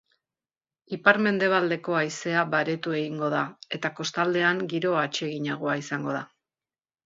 Ipar-mendebaldeko haizea baretu egingo da eta kostaldean giro atseginagoa izango da.